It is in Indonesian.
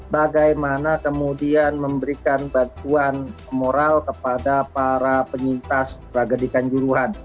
bagaimana kemudian memberikan bantuan moral kepada para penyintas tragedikan juruhan